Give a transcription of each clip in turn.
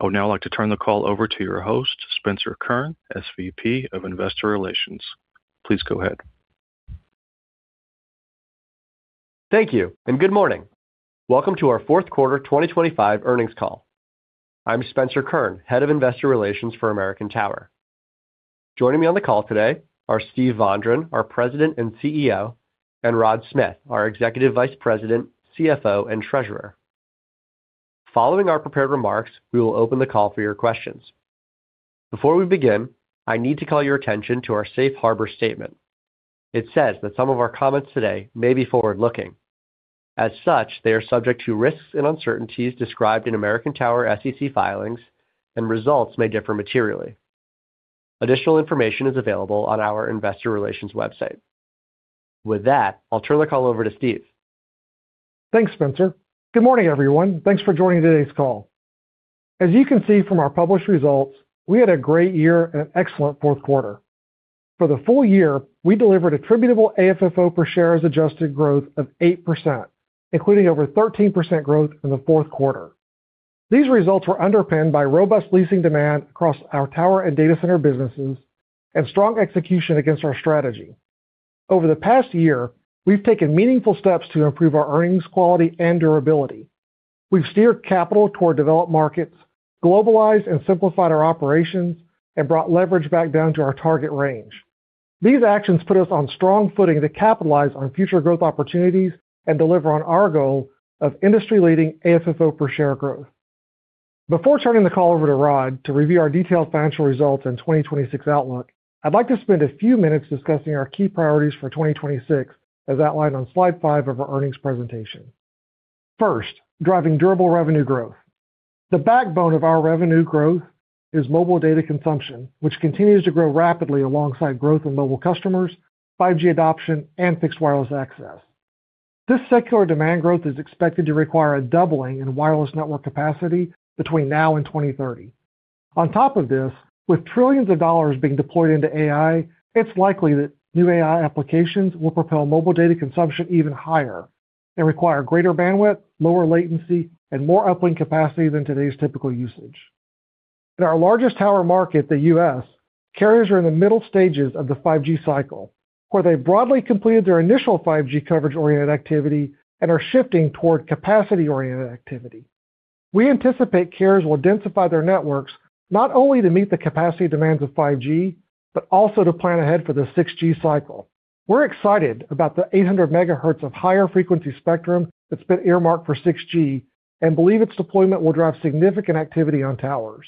I would now like to turn the call over to your host, Spencer Kurn, SVP of Investor Relations. Please go ahead. Thank you, and good morning. Welcome to our fourth quarter 2025 earnings call. I'm Spencer Kurn, Head of Investor Relations for American Tower. Joining me on the call today are Steven Vondran, our President and CEO, and Rodney Smith, our Executive Vice President, CFO, and Treasurer. Following our prepared remarks, we will open the call for your questions. Before we begin, I need to call your attention to our safe harbor statement. It says that some of our comments today may be forward-looking. As such, they are subject to risks and uncertainties described in American Tower SEC filings, and results may differ materially. Additional information is available on our investor relations website. With that, I'll turn the call over to Steve. Thanks, Spencer. Good morning, everyone, and thanks for joining today's call. As you can see from our published results, we had a great year and an excellent fourth quarter. For the full year, we delivered attributable AFFO per share as adjusted growth of 8%, including over 13% growth in the fourth quarter. These results were underpinned by robust leasing demand across our tower and data center businesses and strong execution against our strategy. Over the past year, we've taken meaningful steps to improve our earnings, quality, and durability. We've steered capital toward developed markets, globalized and simplified our operations, and brought leverage back down to our target range. These actions put us on strong footing to capitalize on future growth opportunities and deliver on our goal of industry-leading AFFO per share growth. Before turning the call over to Rod to review our detailed financial results in 2026 outlook, I'd like to spend a few minutes discussing our key priorities for 2026, as outlined on slide 5 of our earnings presentation. First, driving durable revenue growth. The backbone of our revenue growth is mobile data consumption, which continues to grow rapidly alongside growth in mobile customers, 5G adoption, and Fixed Wireless Access. This secular demand growth is expected to require a doubling in wireless network capacity between now and 2030. On top of this, with trillions of dollars being deployed into AI, it's likely that new AI applications will propel mobile data consumption even higher and require greater bandwidth, lower latency, and more uplink capacity than today's typical usage. In our largest tower market, the U.S., carriers are in the middle stages of the 5G cycle, where they've broadly completed their initial 5G coverage-oriented activity and are shifting toward capacity-oriented activity. We anticipate carriers will densify their networks not only to meet the capacity demands of 5G, but also to plan ahead for the 6G cycle. We're excited about the 800 mhz of higher frequency spectrum that's been earmarked for 6G and believe its deployment will drive significant activity on towers.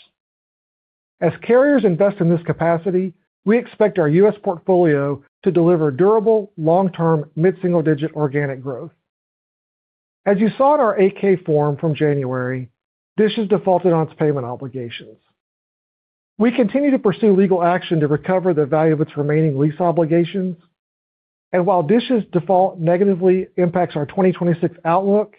As carriers invest in this capacity, we expect our U.S. portfolio to deliver durable, long-term, mid-single-digit organic growth. As you saw in our Form 8-K from January, DISH has defaulted on its payment obligations. We continue to pursue legal action to recover the value of its remaining lease obligations, and while Dish's default negatively impacts our 2026 outlook,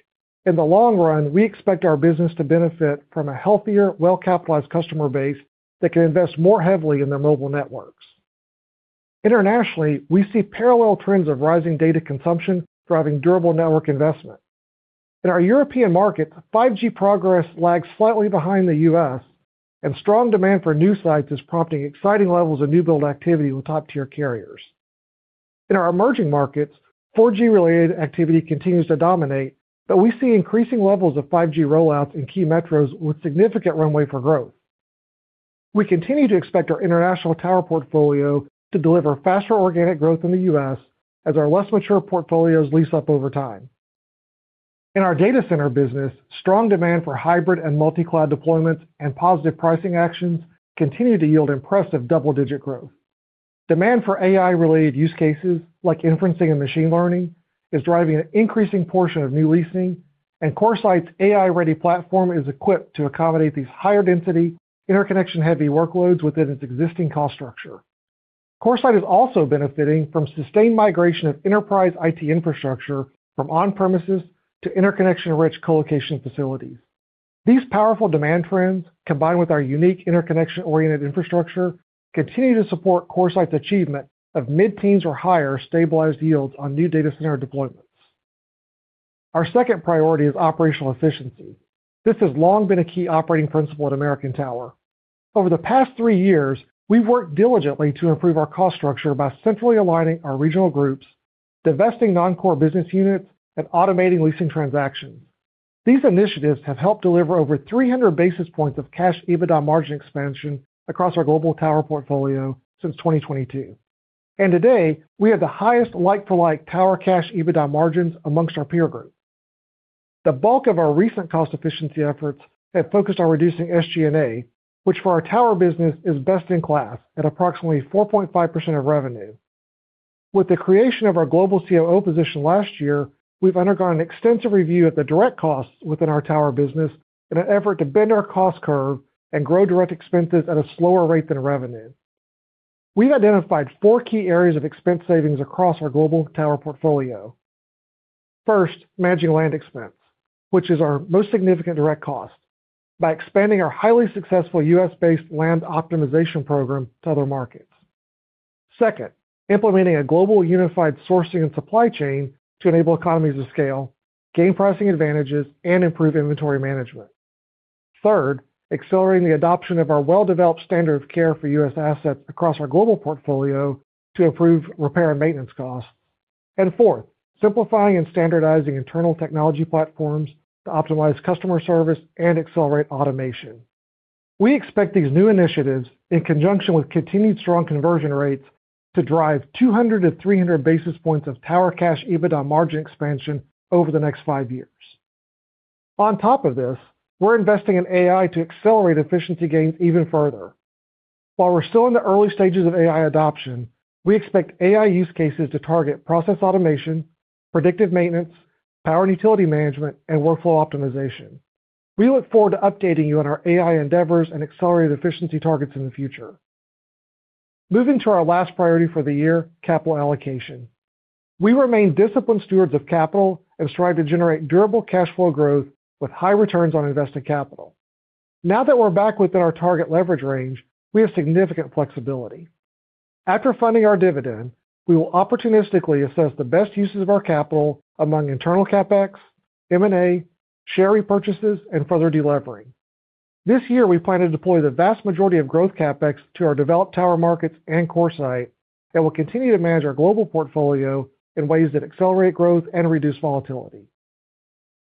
in the long run, we expect our business to benefit from a healthier, well-capitalized customer base that can invest more heavily in their mobile networks. Internationally, we see parallel trends of rising data consumption driving durable network investment. In our European market, 5G progress lags slightly behind the U.S., and strong demand for new sites is prompting exciting levels of new build activity with top-tier carriers. In our emerging markets, 4G-related activity continues to dominate, but we see increasing levels of 5G rollouts in key metros with significant runway for growth. We continue to expect our international tower portfolio to deliver faster organic growth in the U.S. as our less mature portfolios lease up over time. In our data center business, strong demand for hybrid and multi-cloud deployments and positive pricing actions continue to yield impressive double-digit growth. Demand for AI-related use cases, like inferencing and machine learning, is driving an increasing portion of new leasing. CoreSite's AI-ready platform is equipped to accommodate these higher density, interconnection-heavy workloads within its existing cost structure. CoreSite is also benefiting from sustained migration of enterprise IT infrastructure from on-premises to interconnection-rich colocation facilities. These powerful demand trends, combined with our unique interconnection-oriented infrastructure, continue to support CoreSite's achievement of mid-teens or higher stabilized yields on new data center deployments. Our second priority is operational efficiency. This has long been a key operating principle at American Tower. Over the past three years, we've worked diligently to improve our cost structure by centrally aligning our regional groups, divesting non-core business units, and automating leasing transactions. These initiatives have helped deliver over 300 basis points of cash EBITDA margin expansion across our global tower portfolio since 2022. Today, we have the highest like-for-like tower cash EBITDA margins amongst our peer group. The bulk of our recent cost efficiency efforts have focused on reducing SG&A, which, for our tower business, is best in class at approximately 4.5% of revenue. With the creation of our global COO position last year, we've undergone an extensive review of the direct costs within our tower business in an effort to bend our cost curve and grow direct expenses at a slower rate than revenue. We've identified four key areas of expense savings across our global tower portfolio. First, managing land expense, which is our most significant direct cost, by expanding our highly successful U.S.-based land optimization program to other markets.... Second, implementing a global unified sourcing and supply chain to enable economies of scale, gain pricing advantages, and improve inventory management. Third, accelerating the adoption of our well-developed standard of care for U.S. assets across our global portfolio to improve repair and maintenance costs. Fourth, simplifying and standardizing internal technology platforms to optimize customer service and accelerate automation. We expect these new initiatives, in conjunction with continued strong conversion rates, to drive 200-300 basis points of tower cash EBITDA margin expansion over the next five years. On top of this, we're investing in AI to accelerate efficiency gains even further. While we're still in the early stages of AI adoption, we expect AI use cases to target process automation, predictive maintenance, power and utility management, and workflow optimization. We look forward to updating you on our AI endeavors and accelerated efficiency targets in the future. Moving to our last priority for the year, capital allocation. We remain disciplined stewards of capital and strive to generate durable cash flow growth with high returns on invested capital. Now that we're back within our target leverage range, we have significant flexibility. After funding our dividend, we will opportunistically assess the best uses of our capital among internal CapEx, M&A, share repurchases, and further delevering. This year, we plan to deploy the vast majority of growth CapEx to our developed tower markets and CoreSite. We'll continue to manage our global portfolio in ways that accelerate growth and reduce volatility.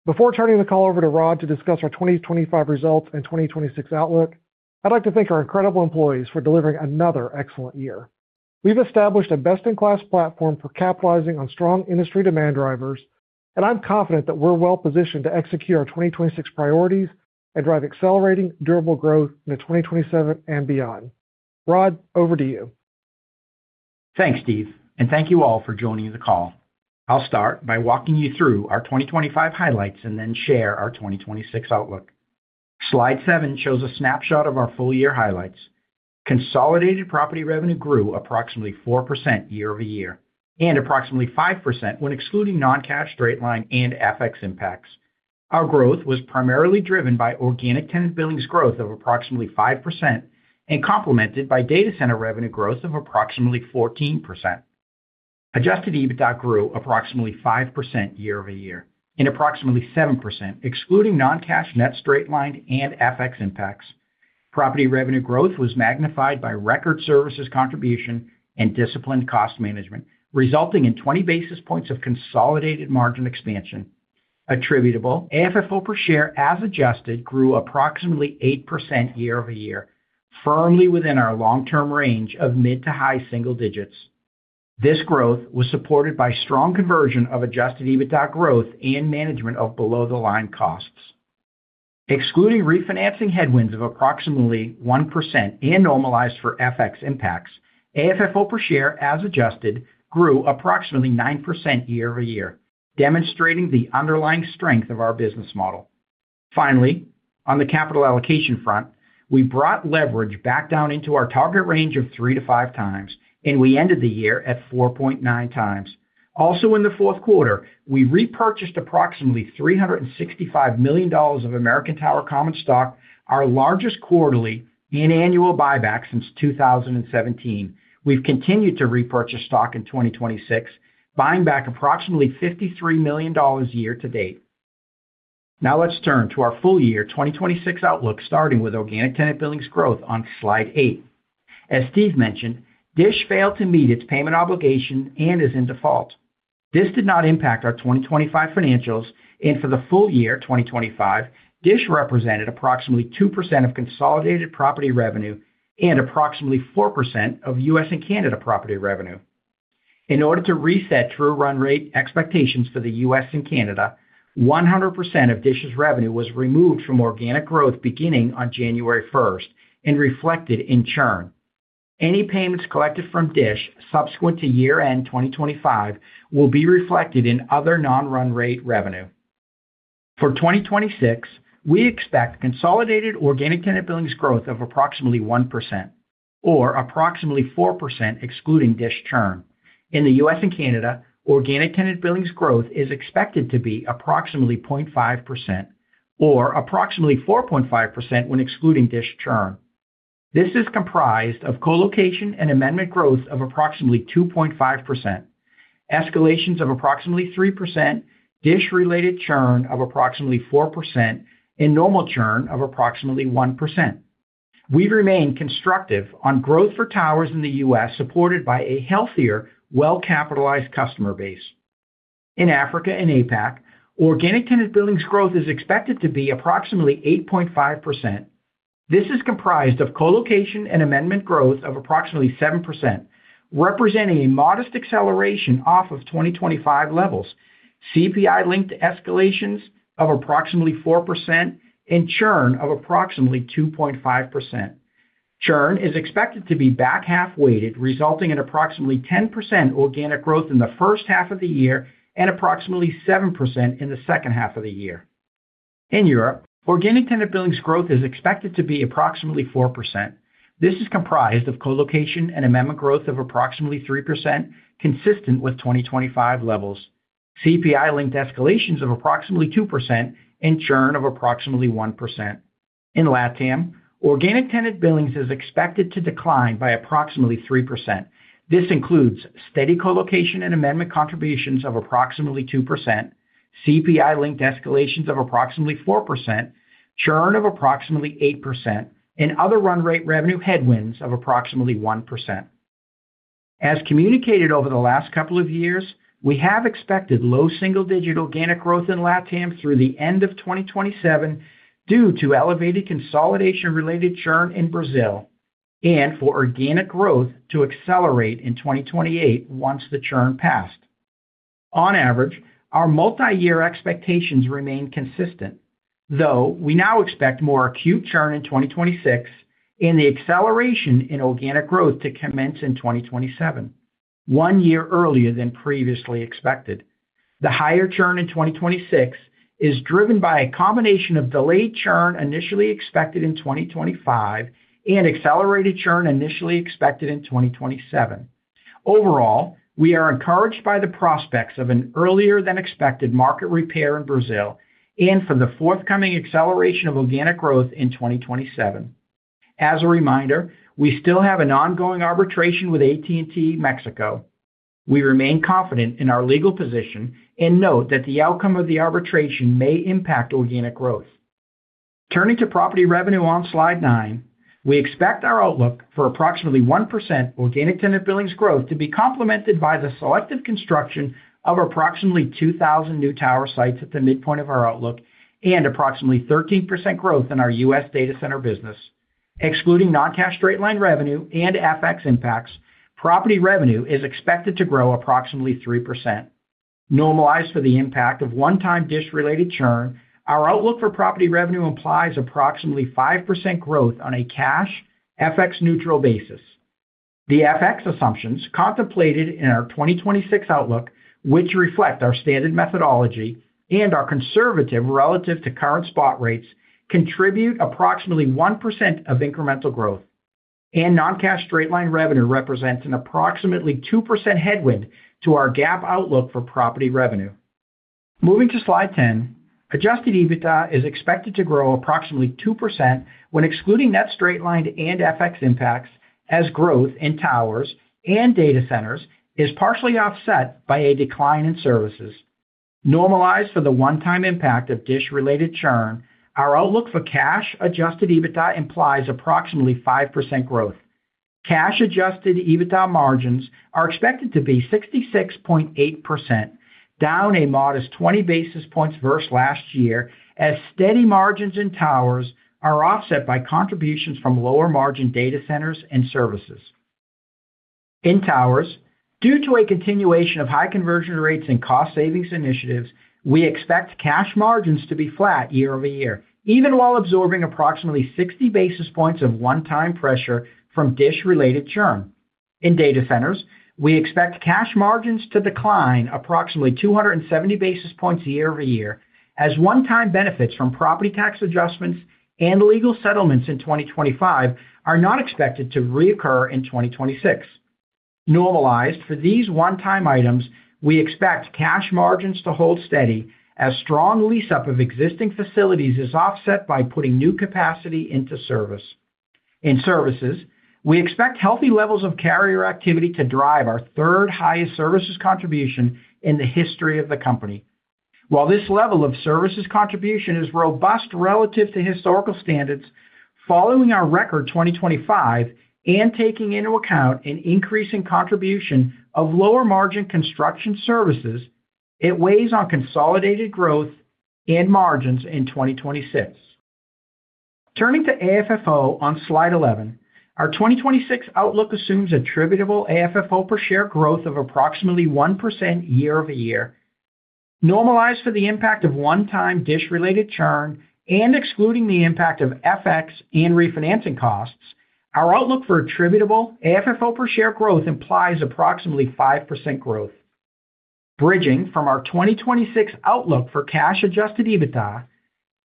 Before turning the call over to Rod to discuss our 2025 results and 2026 outlook, I'd like to thank our incredible employees for delivering another excellent year. We've established a best-in-class platform for capitalizing on strong industry demand drivers, and I'm confident that we're well-positioned to execute our 2026 priorities and drive accelerating durable growth into 2027 and beyond. Rod, over to you. Thanks, Steve, and thank you all for joining the call. I'll start by walking you through our 2025 highlights and then share our 2026 outlook. Slide 7 shows a snapshot of our full-year highlights. Consolidated property revenue grew approximately 4% year-over-year, and approximately 5% when excluding non-cash straight line and FX impacts. Our growth was primarily driven by Organic Tenant Billings Growth of approximately 5% and complemented by data center revenue growth of approximately 14%. Adjusted EBITDA grew approximately 5% year-over-year and approximately 7%, excluding non-cash net straight line and FX impacts. Property revenue growth was magnified by record services contribution and disciplined cost management, resulting in 20 basis points of consolidated margin expansion. Attributable AFFO per share, as adjusted, grew approximately 8% year-over-year, firmly within our long-term range of mid to high single digits. This growth was supported by strong conversion of adjusted EBITDA growth and management of below-the-line costs. Excluding refinancing headwinds of approximately 1% and normalized for FX impacts, AFFO per share, as adjusted, grew approximately 9% year-over-year, demonstrating the underlying strength of our business model. Finally, on the capital allocation front, we brought leverage back down into our target range of three-5x, and we ended the year at 4.9x. In the fourth quarter, we repurchased approximately $365 million of American Tower common stock, our largest quarterly and annual buyback since 2017. We've continued to repurchase stock in 2026, buying back approximately $53 million year to date. Let's turn to our full year 2026 outlook, starting with Organic Tenant Billings Growth on slide 8. As Steve mentioned, DISH failed to meet its payment obligation and is in default. This did not impact our 2025 financials, and for the full year, 2025, DISH represented approximately 2% of consolidated property revenue and approximately 4% of U.S. and Canada property revenue. In order to reset true run rate expectations for the U.S. and Canada, 100% of DISH's revenue was removed from organic growth beginning on January 1st and reflected in churn. Any payments collected from DISH subsequent to year-end 2025 will be reflected in other non-run rate revenue. For 2026, we expect consolidated Organic Tenant Billings Growth of approximately 1% or approximately 4%, excluding DISH churn. In the U.S. and Canada, Organic Tenant Billings Growth is expected to be approximately 0.5% or approximately 4.5% when excluding DISH churn. This is comprised of colocation and amendment growth of approximately 2.5%, escalations of approximately 3%, DISH-related churn of approximately 4%, and normal churn of approximately 1%. We remain constructive on growth for towers in the U.S., supported by a healthier, well-capitalized customer base. In Africa and APAC, organic tenant billings growth is expected to be approximately 8.5%. This is comprised of colocation and amendment growth of approximately 7%, representing a modest acceleration off of 2025 levels, CPI-linked escalations of approximately 4%, and churn of approximately 2.5%. Churn is expected to be back-half weighted, resulting in approximately 10% organic growth in the first half of the year and approximately 7% in the second half of the year. In Europe, organic tenant billings growth is expected to be approximately 4%. This is comprised of colocation and amendment growth of approximately 3%, consistent with 2025 levels, CPI-linked escalations of approximately 2%, and churn of approximately 1%. In LATAM, Organic Tenant Billings is expected to decline by approximately 3%. This includes steady colocation and amendment contributions of approximately 2%, CPI-linked escalations of approximately 4%, churn of approximately 8%, and other run rate revenue headwinds of approximately 1%. As communicated over the last couple of years, we have expected low single-digit organic growth in LATAM through the end of 2027 due to elevated consolidation-related churn in Brazil, and for organic growth to accelerate in 2028 once the churn passed. On average, our multiyear expectations remain consistent, though we now expect more acute churn in 2026 and the acceleration in organic growth to commence in 2027, one year earlier than previously expected. The higher churn in 2026 is driven by a combination of delayed churn initially expected in 2025 and accelerated churn initially expected in 2027. Overall, we are encouraged by the prospects of an earlier-than-expected market repair in Brazil and for the forthcoming acceleration of organic growth in 2027. As a reminder, we still have an ongoing arbitration with AT&T Mexico. We remain confident in our legal position and note that the outcome of the arbitration may impact organic growth. Turning to property revenue on slide nine, we expect our outlook for approximately 1% Organic Tenant Billings Growth to be complemented by the selective construction of approximately 2,000 new tower sites at the midpoint of our outlook and approximately 13% growth in our U.S. data center business. Excluding non-cash straight-line revenue and FX impacts, property revenue is expected to grow approximately 3%. Normalized for the impact of 1-time DISH-related churn, our outlook for property revenue implies approximately 5% growth on a cash FX neutral basis. The FX assumptions contemplated in our 2026 outlook, which reflect our standard methodology and are conservative relative to current spot rates, contribute approximately 1% of incremental growth, and non-cash straight-line revenue represents an approximately 2% headwind to our GAAP outlook for property revenue. Moving to slide 10, adjusted EBITDA is expected to grow approximately 2% when excluding net straight-lined and FX impacts, as growth in towers and data centers is partially offset by a decline in services. Normalized for the one-time impact of DISH-related churn, our outlook for cash-adjusted EBITDA implies approximately 5% growth. Cash-adjusted EBITDA margins are expected to be 66.8%, down a modest 20 basis points versus last year, as steady margins in towers are offset by contributions from lower-margin data centers and services. In towers, due to a continuation of high conversion rates and cost savings initiatives, we expect cash margins to be flat year-over-year, even while absorbing approximately 60 basis points of one-time pressure from DISH-related churn. In data centers, we expect cash margins to decline approximately 270 basis points year-over-year, as one-time benefits from property tax adjustments and legal settlements in 2025 are not expected to reoccur in 2026. Normalized for these one-time items, we expect cash margins to hold steady as strong lease-up of existing facilities is offset by putting new capacity into service. In services, we expect healthy levels of carrier activity to drive our 3rd-highest services contribution in the history of the company. While this level of services contribution is robust relative to historical standards, following our record 2025 and taking into account an increasing contribution of lower-margin construction services, it weighs on consolidated growth and margins in 2026. Turning to AFFO on slide 11, our 2026 outlook assumes attributable AFFO per share growth of approximately 1% year-over-year. Normalized for the impact of one-time DISH-related churn and excluding the impact of FX and refinancing costs, our outlook for attributable AFFO per share growth implies approximately 5% growth. Bridging from our 2026 outlook for cash-adjusted EBITDA,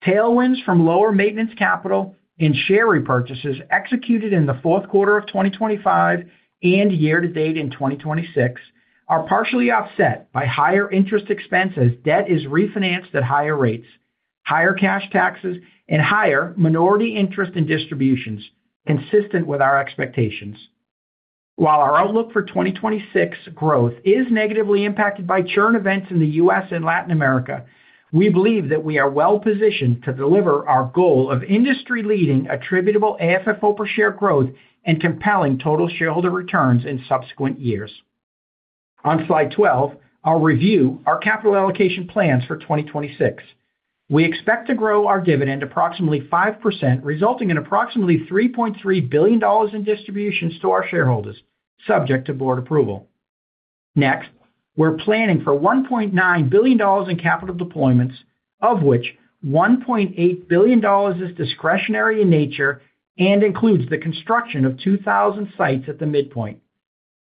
tailwinds from lower maintenance capital and share repurchases executed in the fourth quarter of 2025 and year-to-date in 2026 are partially offset by higher interest expenses. Debt is refinanced at higher rates, higher cash taxes, and higher minority interest in distributions, consistent with our expectations. Our outlook for 2026 growth is negatively impacted by churn events in the U.S. and Latin America, we believe that we are well positioned to deliver our goal of industry-leading attributable AFFO per share growth and compelling total shareholder returns in subsequent years. On slide 12, I'll review our capital allocation plans for 2026. We expect to grow our dividend approximately 5%, resulting in approximately $3.3 billion in distributions to our shareholders, subject to board approval. We're planning for $1.9 billion in capital deployments, of which $1.8 billion is discretionary in nature and includes the construction of 2,000 sites at the midpoint.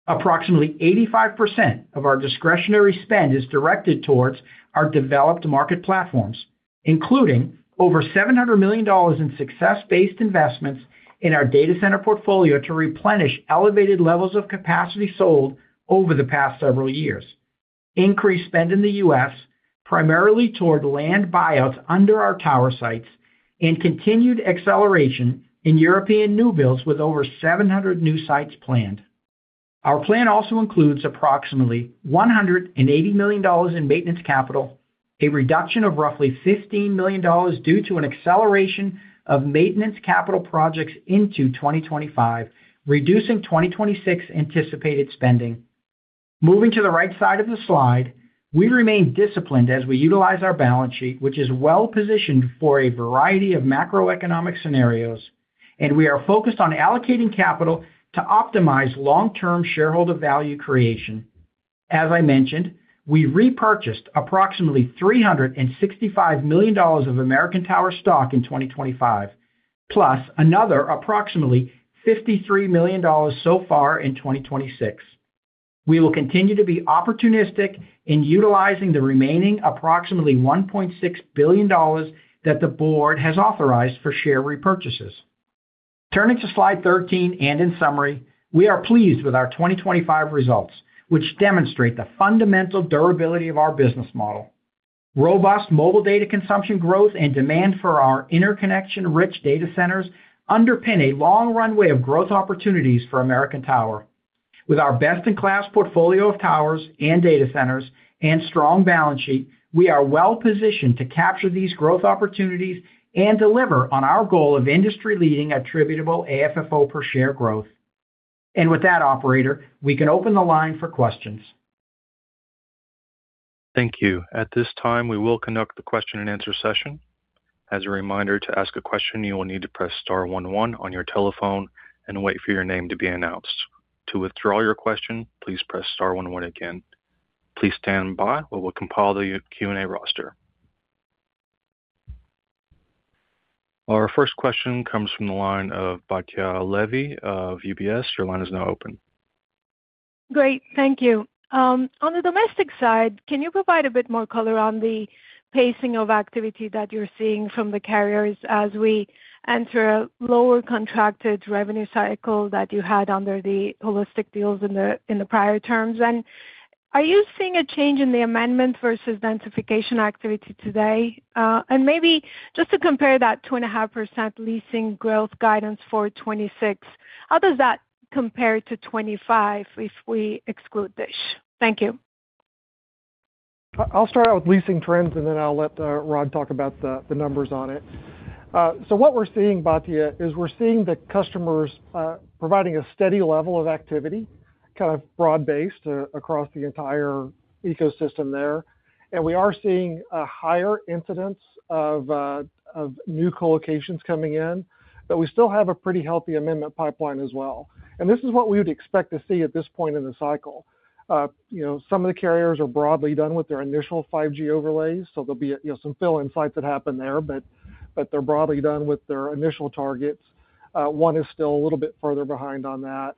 Approximately 85% of our discretionary spend is directed towards our developed market platforms, including over $700 million in success-based investments in our data center portfolio to replenish elevated levels of capacity sold over the past several years. Increased spend in the U.S., primarily toward land buyouts under our tower sites and continued acceleration in European new builds with over 700 new sites planned. Our plan also includes approximately $180 million in maintenance capital, a reduction of roughly $15 million due to an acceleration of maintenance capital projects into 2025, reducing 2026 anticipated spending. Moving to the right side of the slide, we remain disciplined as we utilize our balance sheet, which is well-positioned for a variety of macroeconomic scenarios, and we are focused on allocating capital to optimize long-term shareholder value creation. As I mentioned, we repurchased approximately $365 million of American Tower stock in 2025, plus another approximately $53 million so far in 2026. We will continue to be opportunistic in utilizing the remaining approximately $1.6 billion that the board has authorized for share repurchases. Turning to slide 13, In summary, we are pleased with our 2025 results, which demonstrate the fundamental durability of our business model. Robust mobile data consumption growth and demand for our interconnection-rich data centers underpin a long runway of growth opportunities for American Tower. With our best-in-class portfolio of towers and data centers and strong balance sheet, we are well-positioned to capture these growth opportunities and deliver on our goal of industry-leading attributable AFFO per share growth. With that, operator, we can open the line for questions. Thank you. At this time, we will conduct the question and answer session. As a reminder, to ask a question, you will need to press star one one on your telephone and wait for your name to be announced. To withdraw your question, please press star one one again. Please stand by, where we'll compile the Q&A roster. Our first question comes from the line of Batya Levi of UBS. Your line is now open. Great, thank you. On the domestic side, can you provide a bit more color on the pacing of activity that you're seeing from the carriers as we enter a lower contracted revenue cycle that you had under the holistic deals in the prior terms? Are you seeing a change in the amendment versus densification activity today? Maybe just to compare that 2.5% leasing growth guidance for 2026, how does that compare to 2025 if we exclude Dish? Thank you. I'll start out with leasing trends. Then I'll let Rod talk about the numbers on it. So what we're seeing, Batya, is we're seeing the customers providing a steady level of activity, kind of broad-based across the entire ecosystem there. We are seeing a higher incidence of new colocations coming in, but we still have a pretty healthy amendment pipeline as well. This is what we would expect to see at this point in the cycle. you know, some of the carriers are broadly done with their initial 5G overlays, so there'll be, you know, some fill-in sites that happen there, but they're broadly done with their initial targets. one is still a little bit further behind on that.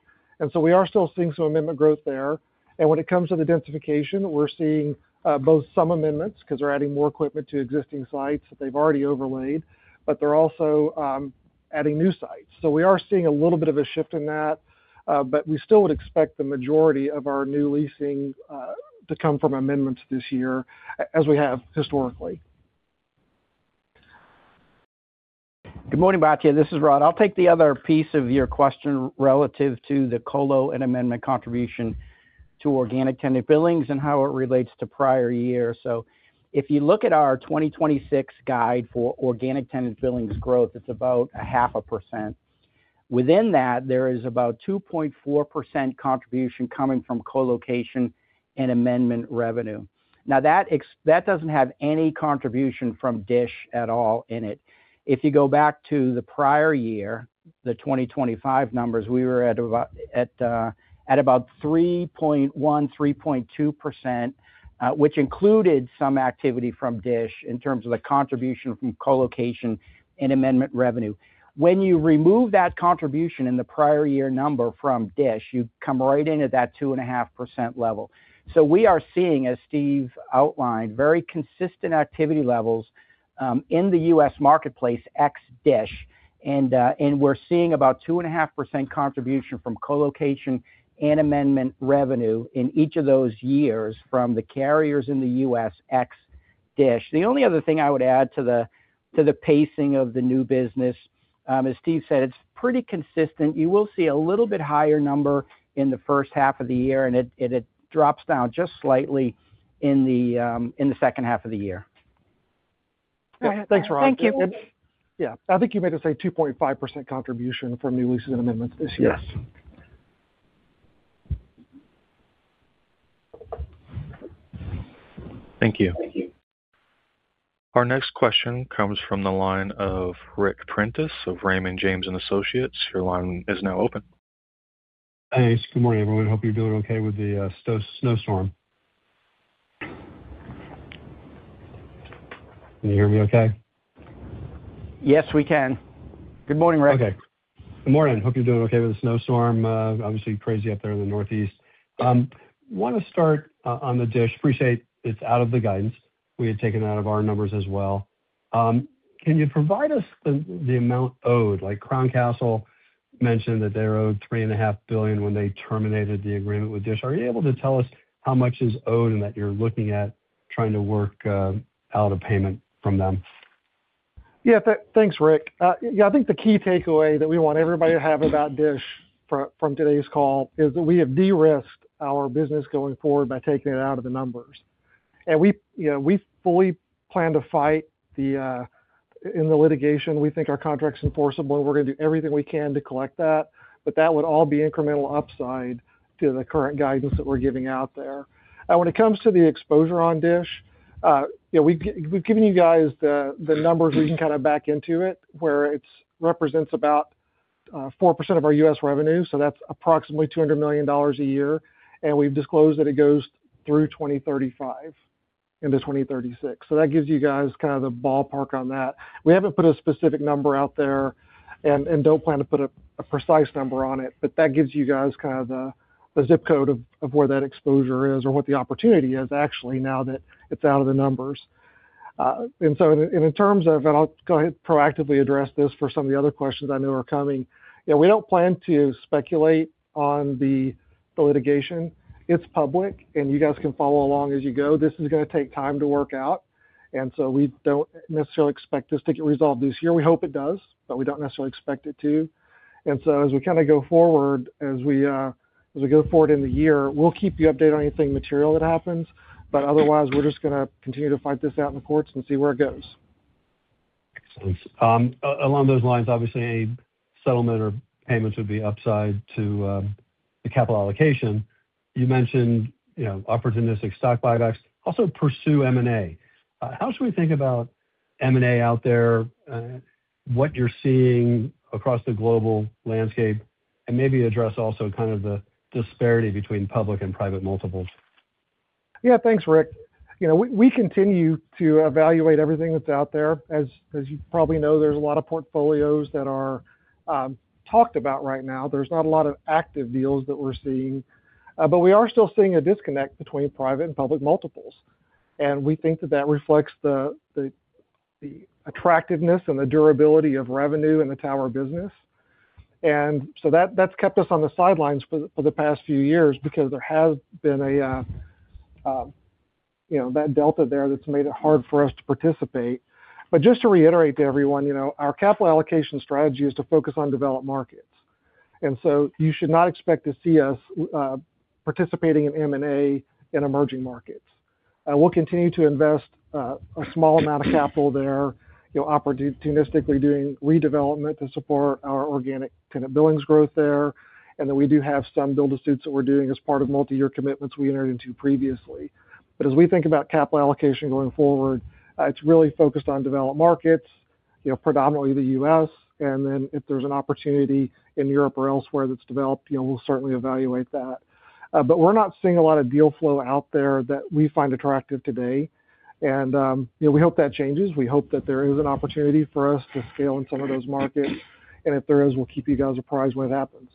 So we are still seeing some amendment growth there. When it comes to the densification, we're seeing both some amendments, because they're adding more equipment to existing sites that they've already overlaid, but they're also adding new sites. We are seeing a little bit of a shift in that, but we still would expect the majority of our new leasing to come from amendments this year, as we have historically. Good morning, Batya. This is Rod. I'll take the other piece of your question relative to the colo and amendment contribution to Organic Tenant Billings and how it relates to prior year. If you look at our 2026 guide for Organic Tenant Billings Growth, it's about 0.5%. Within that, there is about 2.4% contribution coming from colocation and amendment revenue. That doesn't have any contribution from Dish at all in it. You go back to the prior year, the 2025 numbers, we were at about 3.1%-3.2%, which included some activity from Dish in terms of the contribution from colocation and amendment revenue. You remove that contribution in the prior year number from Dish, you come right in at that 2.5% level. We are seeing, as Steve outlined, very consistent activity levels in the U.S. marketplace, ex-Dish, and we're seeing about 2.5% contribution from colocation and amendment revenue in each of those years from the carriers in the U.S., ex-Dish. The only other thing I would add to the pacing of the new business, as Steve said, it's pretty consistent. You will see a little bit higher number in the first half of the year, and it drops down just slightly in the second half of the year. Thanks, Rod. Thank you. Yeah. I think you made it say 2.5% contribution from new leases and amendments this year. Yes. Thank you. Our next question comes from the line of Ric Prentiss of Raymond James & Associates. Your line is now open. Hey, good morning, everyone. I hope you're doing okay with the snowstorm. Can you hear me okay? Yes, we can. Good morning, Ric. Okay. Good morning. Hope you're doing okay with the snowstorm, obviously crazy up there in the Northeast. Want to start on the Dish. Appreciate it's out of the guidance. We had taken it out of our numbers as well. Can you provide us the amount owed? Like, Crown Castle mentioned that they're owed $3.5 billion when they terminated the agreement with Dish. Are you able to tell us how much is owed and that you're looking at trying to work out a payment from them? Yeah, thanks, Ric. Yeah, I think the key takeaway that we want everybody to have about DISH from today's call is that we have de-risked our business going forward by taking it out of the numbers. We, you know, we fully plan to fight the in the litigation. We think our contract's enforceable, and we're gonna do everything we can to collect that, but that would all be incremental upside to the current guidance that we're giving out there. When it comes to the exposure on DISH, yeah, we've given you guys the numbers, you can kind of back into it, where it's represents about, 4% of our U.S. revenue, so that's approximately $200 million a year. We've disclosed that it goes through 2035 into 2036. That gives you guys kind of the ballpark on that. We haven't put a specific number out there and don't plan to put a precise number on it, but that gives you guys kind of the ZIP code of where that exposure is or what the opportunity is actually, now that it's out of the numbers. In terms of, and I'll go ahead and proactively address this for some of the other questions I know are coming. Yeah, we don't plan to speculate on the litigation. It's public, and you guys can follow along as you go. This is going to take time to work out, and so we don't necessarily expect this to get resolved this year. We hope it does, but we don't necessarily expect it to. As we kind of go forward, as we, as we go forward in the year, we'll keep you updated on anything material that happens, but otherwise, we're just gonna continue to fight this out in the courts and see where it goes. Excellent. Along those lines, obviously, a settlement or payments would be upside to the capital allocation. You mentioned, you know, opportunistic stock buybacks, also pursue M&A. How should we think about M&A out there, what you're seeing across the global landscape, and maybe address also kind of the disparity between public and private multiples? Yeah, thanks, Ric. You know, we continue to evaluate everything that's out there. As you probably know, there's a lot of portfolios that are talked about right now. There's not a lot of active deals that we're seeing, but we are still seeing a disconnect between private and public multiples, and we think that that reflects the attractiveness and the durability of revenue in the tower business. That's kept us on the sidelines for the past few years because there has been a, you know, that delta there that's made it hard for us to participate. Just to reiterate to everyone, you know, our capital allocation strategy is to focus on developed markets, you should not expect to see us participating in M&A in emerging markets. We'll continue to invest a small amount of capital there, you know, opportunistically doing redevelopment to support our Organic Tenant Billings Growth there, and then we do have some build-to-suits that we're doing as part of multiyear commitments we entered into previously. As we think about capital allocation going forward, it's really focused on developed markets, you know, predominantly the U.S., and then if there's an opportunity in Europe or elsewhere that's developed, you know, we'll certainly evaluate that. We're not seeing a lot of deal flow out there that we find attractive today, and, you know, we hope that changes. We hope that there is an opportunity for us to scale in some of those markets, and if there is, we'll keep you guys apprised when it happens.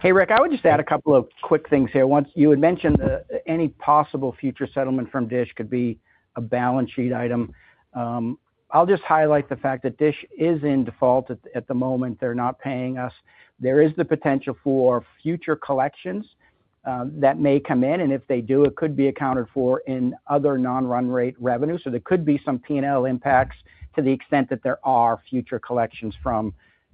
Hey, Ric, I would just add a couple of quick things here. One, you had mentioned, any possible future settlement from DISH could be a balance sheet item. I'll just highlight the fact that DISH is in default at the moment, they're not paying us. There is the potential for future collections, that may come in, and if they do, it could be accounted for in other non-run rate revenues. There could be some P&L impacts to the extent that there are future collections from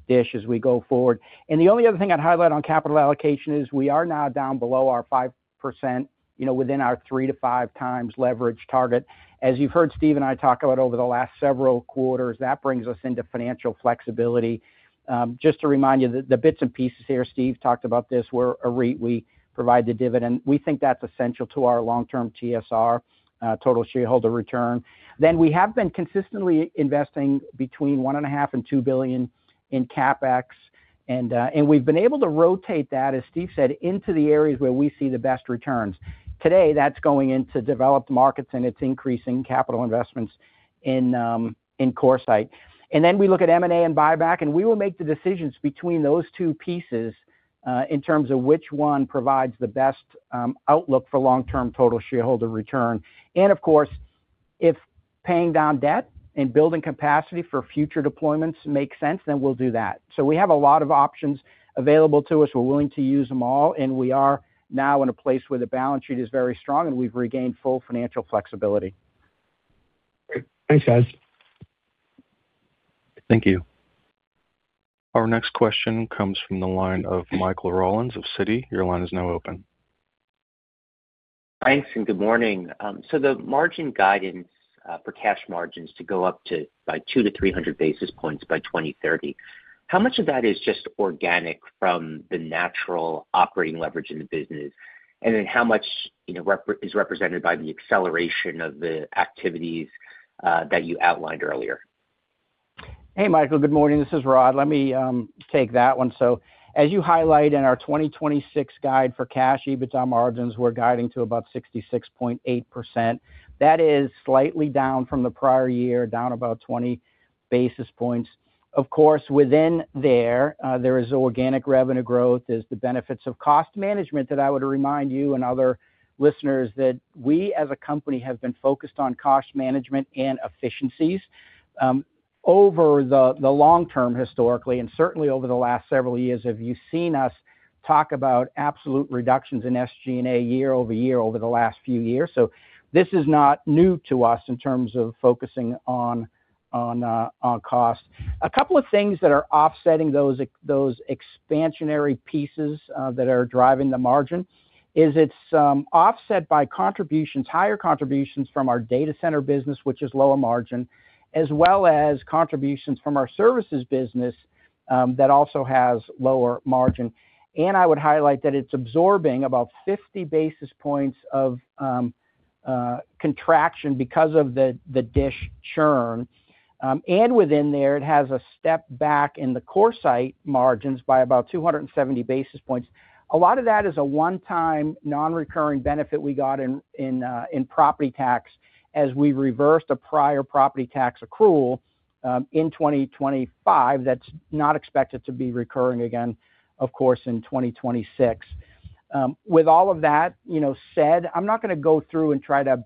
DISH as we go forward. The only other thing I'd highlight on capital allocation is we are now down below our 5%, you know, within our three-five times leverage target. As you've heard Steven and I talk about over the last several quarters, that brings us into financial flexibility. Just to remind you, the bits and pieces here, Steve talked about this, we're a REIT, we provide the dividend. We think that's essential to our long-term TSR, total shareholder return. We have been consistently investing between $1.5 billion-$2 billion in CapEx, and we've been able to rotate that, as Steve said, into the areas where we see the best returns. Today, that's going into developed markets, and it's increasing capital investments in CoreSite. We look at M&A and buyback, and we will make the decisions between those two pieces in terms of which one provides the best outlook for long-term total shareholder return. Of course, if paying down debt and building capacity for future deployments makes sense, then we'll do that. We have a lot of options available to us. We're willing to use them all, and we are now in a place where the balance sheet is very strong, and we've regained full financial flexibility. Great. Thanks, guys. Thank you. Our next question comes from the line of Michael Rollins of Citi. Your line is now open. Thanks. Good morning. The margin guidance for cash margins to go up to by 200-300 basis points by 2030, how much of that is just organic from the natural operating leverage in the business? Then how much, you know, is represented by the acceleration of the activities that you outlined earlier? Hey, Michael, good morning. This is Rod. Let me take that one. As you highlight in our 2026 guide for cash EBITDA margins, we're guiding to about 66.8%. That is slightly down from the prior year, down about 20 basis points. Of course, within there is organic revenue growth. There's the benefits of cost management that I would remind you and other listeners, that we, as a company, have been focused on cost management and efficiencies over the long term, historically, and certainly over the last several years, have you seen us talk about absolute reductions in SG&A year-over-year over the last few years. This is not new to us in terms of focusing on cost. A couple of things that are offsetting those expansionary pieces, that are driving the margin, is it's offset by contributions, higher contributions from our data center business, which is lower margin, as well as contributions from our services business, that also has lower margin. I would highlight that it's absorbing about 50 basis points of contraction because of the Dish churn. And within there, it has a step back in the CoreSite margins by about 270 basis points. A lot of that is a one-time, non-recurring benefit we got in property tax as we reversed a prior property tax accrual in 2025. That's not expected to be recurring again, of course, in 2026. With all of that, you know, said, I'm not gonna go through and try to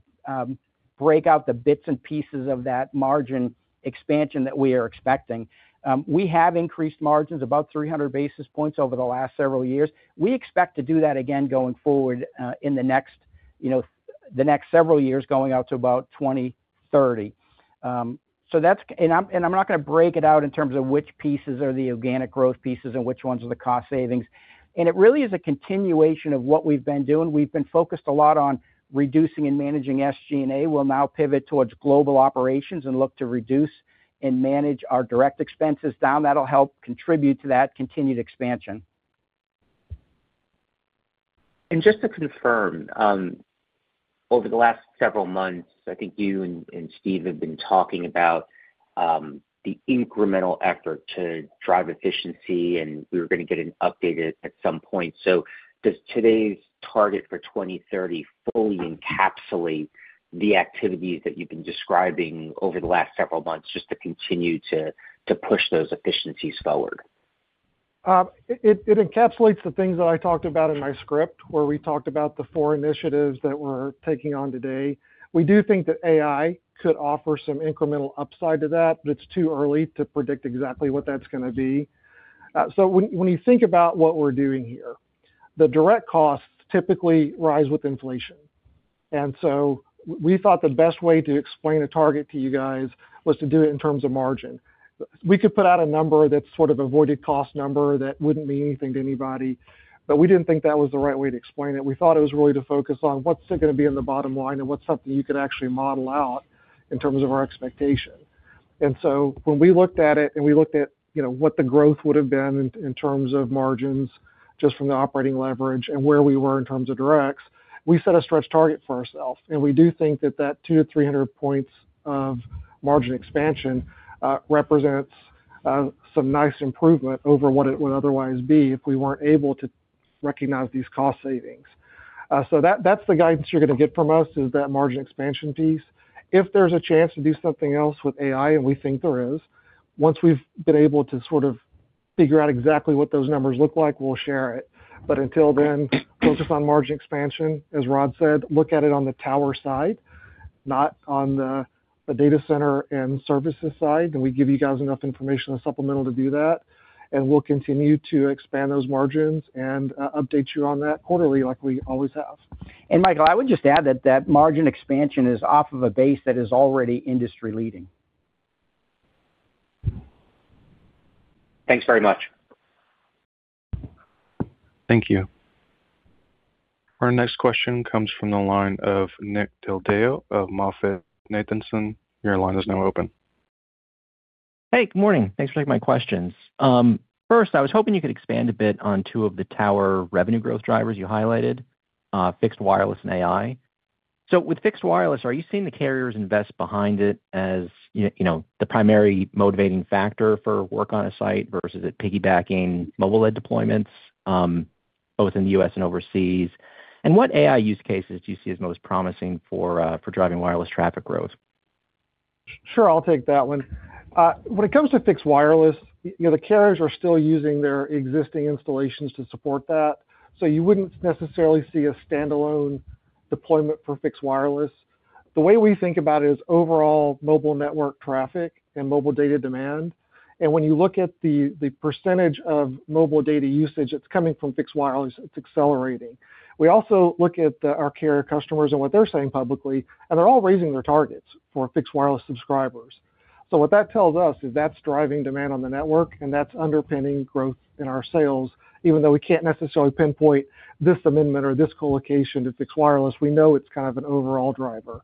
break out the bits and pieces of that margin expansion that we are expecting. We have increased margins about 300 basis points over the last several years. We expect to do that again going forward, in the next, you know, the next several years, going out to about 2030. I'm not gonna break it out in terms of which pieces are the organic growth pieces and which ones are the cost savings. It really is a continuation of what we've been doing. We've been focused a lot on reducing and managing SG&A. We'll now pivot towards global operations and look to reduce and manage our direct expenses down. That'll help contribute to that continued expansion. Just to confirm, over the last several months, I think you and Steve have been talking about the incremental effort to drive efficiency, and we were going to get an update at some point. Does today's target for 2030 fully encapsulate the activities that you've been describing over the last several months, just to continue to push those efficiencies forward? It encapsulates the things that I talked about in my script, where we talked about the four initiatives that we're taking on today. We do think that AI could offer some incremental upside to that, but it's too early to predict exactly what that's gonna be. When you think about what we're doing here, the direct costs typically rise with inflation, and so we thought the best way to explain a target to you guys was to do it in terms of margin. We could put out a number that's sort of avoided cost number, that wouldn't mean anything to anybody, but we didn't think that was the right way to explain it. We thought it was really to focus on what's it gonna be in the bottom line and what's something you could actually model out in terms of our expectation. When we looked at it and we looked at, you know, what the growth would have been in terms of margins, just from the operating leverage and where we were in terms of directs, we set a stretch target for ourselves. We do think that that 200-300 points of margin expansion represents some nice improvement over what it would otherwise be if we weren't able to recognize these cost savings. That's the guidance you're gonna get from us, is that margin expansion piece. If there's a chance to do something else with AI, and we think there is, once we've been able to sort of figure out exactly what those numbers look like, we'll share it. Until then, focus on margin expansion, as Rod said, look at it on the tower side, not on the data center and services side, and we give you guys enough information and supplemental to do that. We'll continue to expand those margins and update you on that quarterly like we always have. Michael, I would just add that that margin expansion is off of a base that is already industry leading. Thanks very much. Thank you. Our next question comes from the line of Nick Del Deo of MoffettNathanson. Your line is now open. Hey, good morning. Thanks for taking my questions. First, I was hoping you could expand a bit on two of the tower revenue growth drivers you highlighted, fixed wireless and AI. With fixed wireless, are you seeing the carriers invest behind it as, you know, the primary motivating factor for work on a site, versus it piggybacking mobile-led deployments, both in the U.S. and overseas? What AI use cases do you see as most promising for driving wireless traffic growth? Sure, I'll take that one. When it comes to fixed wireless, you know, the carriers are still using their existing installations to support that, so you wouldn't necessarily see a standalone deployment for fixed wireless. The way we think about it is overall mobile network traffic and mobile data demand. When you look at the percentage of mobile data usage that's coming from fixed wireless, it's accelerating. We also look at our carrier customers and what they're saying publicly, and they're all raising their targets for fixed wireless subscribers. What that tells us is that's driving demand on the network, and that's underpinning growth in our sales, even though we can't necessarily pinpoint this amendment or this colocation to fixed wireless, we know it's kind of an overall driver.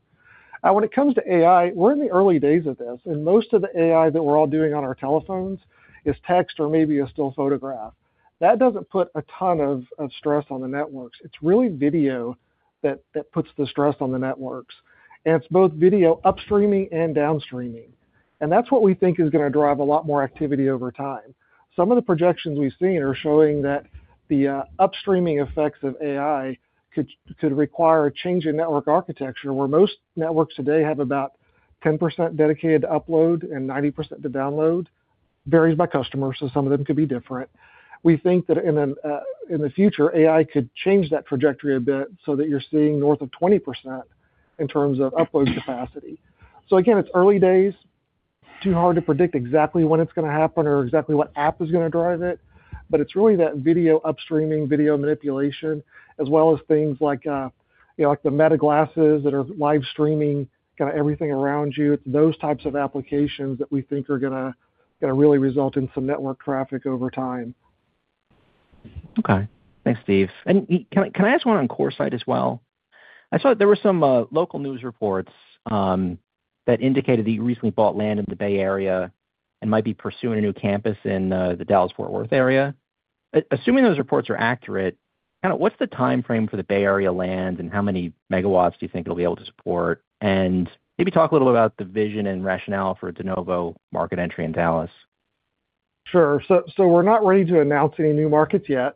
When it comes to AI, we're in the early days of this, and most of the AI that we're all doing on our telephones is text or maybe a still photograph. That doesn't put a ton of stress on the networks. It's really video that puts the stress on the networks, and it's both video upstreaming and downstreaming. That's what we think is gonna drive a lot more activity over time. Some of the projections we've seen are showing that the upstreaming effects of AI could require a change in network architecture, where most networks today have about 10% dedicated to upload and 90% to download, varies by customer, so some of them could be different. We think that in the future, AI could change that trajectory a bit so that you're seeing north of 20% in terms of upload capacity. Again, it's early days. Too hard to predict exactly when it's gonna happen or exactly what app is gonna drive it, but it's really that video upstreaming, video manipulation, as well as things like, you know, like the Meta glasses that are live streaming, kind of everything around you. Those types of applications that we think are gonna really result in some network traffic over time. Okay. Thanks, Steve. Can I ask one on CoreSite as well? I saw that there were some local news reports that indicated that you recently bought land in the Bay Area and might be pursuing a new campus in the Dallas-Fort Worth area. Assuming those reports are accurate, kind of what's the timeframe for the Bay Area land, and how many megawatts do you think it'll be able to support? Maybe talk a little about the vision and rationale for de novo market entry in Dallas. Sure. We're not ready to announce any new markets yet.